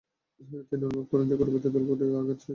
তিনি অনুভব করেন যে, অগ্রবর্তী দলটিও আর আগের জায়গায় নেই।